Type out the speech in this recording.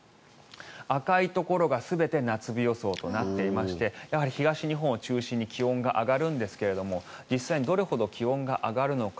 赤いところが全て夏日予想となっていまして東日本を中心に気温が上がるんですけども実際にどれほど気温が上がるのか。